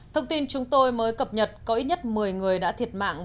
thông tin chúng tôi mới cập nhật có ít nhất một mươi người đã thiệt mạng